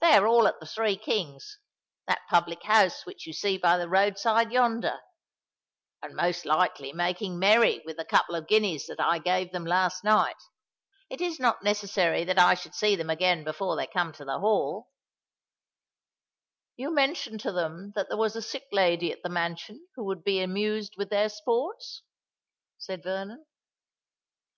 "They are all at the Three Kings—that public house which you see by the road side yonder,—and most likely making merry with the couple of guineas that I gave them last night. It is not necessary that I should see them again before they come to the Hall." "You mentioned to them that there was a sick lady at the mansion who would be amused with their sports?" said Vernon.